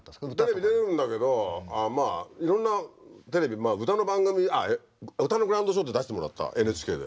テレビ出るんだけどまあいろんなテレビ歌の番組「歌のグランドショー」で出してもらったＮＨＫで。